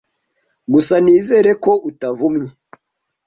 Gusa nizere ko utavumye